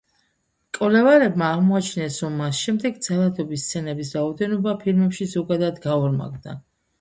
მკვლევარებმა აღმოაჩინეს, რომ მას შემდეგ ძალადობის სცენების რაოდენობა ფილმებში ზოგადად გაორმაგდა.